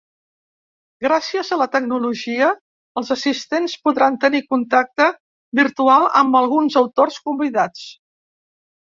Gràcies a la tecnologia, els assistents podran tenir contacte virtual amb alguns autors convidats.